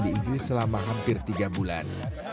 di inggris selama hampir tiga bulan